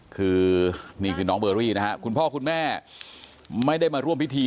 คือนี่คือน้องเบอรี่นะฮะคุณพ่อคุณแม่ไม่ได้มาร่วมพิธี